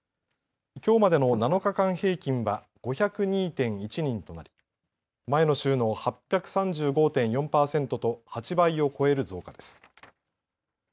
きょうまでの７日間平均は５０２．１人となり前の週の８３５．４％と８倍を超える増加です。